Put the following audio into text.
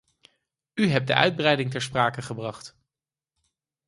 U hebt de uitbreiding ter sprake gebracht.